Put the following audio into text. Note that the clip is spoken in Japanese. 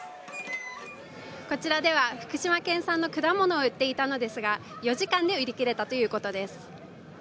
こちらでは福島県産の果物を売っていたのですが、４時間で売り切れたということです。